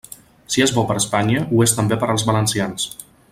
Si és bo per a Espanya, ho és també per als valencians.